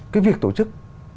cái việc tổ chức